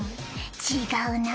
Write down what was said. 違うなあ。